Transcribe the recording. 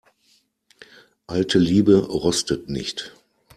Alte Liebe rostet nicht.